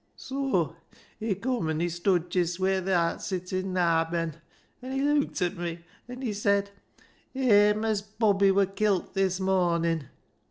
Soa he cum an' he stood jist where tha'rt sittin' naa, Ben, an' he leuked at me, an' he said, ' Amos Bobby wur kilt this mornin'.'